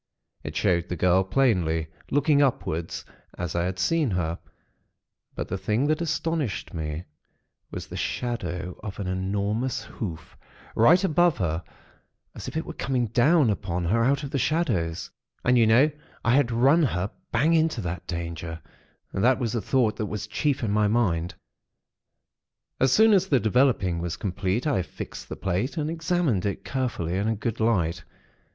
It showed the girl plainly, looking upward, as I had seen her; but the thing that astonished me, was the shadow of an enormous hoof, right above her, as if it were coming down upon her out of the shadows. And, you know, I had run her bang into that danger. That was the thought that was chief in my mind. "As soon as the developing was complete, I fixed the plate, and examined it carefully in a good light.